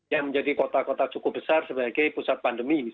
yang menjadi kota kota cukup besar sebagai pusat pandemi